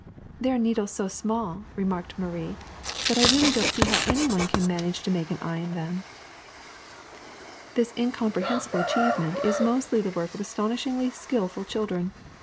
'^ 18 THE SECRET OF EVERYDAY THINGS There are needles so small/' remarked Marie, that I really don't see how any one can manage to make an eye in them.'' *'This incomprehensible achievement is mostly the work of astonishingly skilful children.